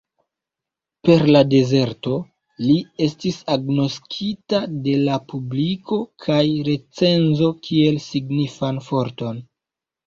Per "La Dezerto" li estis agnoskita de la publiko kaj recenzo kiel signifan forton.